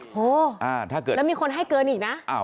โอ้โฮแล้วมีคนให้เกินอีกนะ